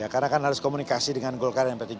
karena kan harus komunikasi dengan golkar dan p tiga